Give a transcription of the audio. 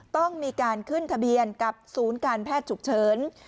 ต้องมีการขึ้นทะเบียนกับศูนย์การแพทย์ฉุกเฉิน